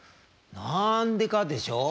なんでかでしょ？